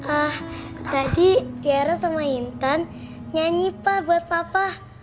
ah tadi tiara sama intan nyanyi pak buat papa